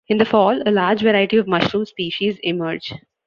In the fall, a large variety of mushroom species emerge.